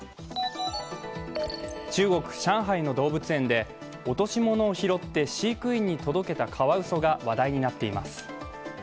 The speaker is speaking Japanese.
中国・上海の動物園で落とし物を拾って飼育員に届けたカワウソが話題になっています。